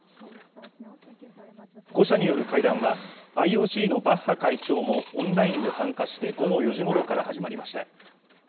５者による会談は、ＩＯＣのバッハ会長もオンラインで参加して、午後４時ごろから始まりました。